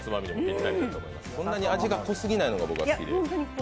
そんな味が濃すぎないのが僕は好きで。